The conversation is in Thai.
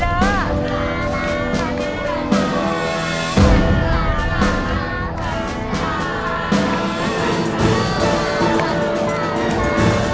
ล่าร่าล่าล่าละล่าล่าลาล่า